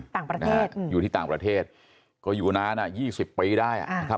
ต่างประเทศอยู่ที่ต่างประเทศก็อยู่นานอ่ะ๒๐ปีได้นะครับ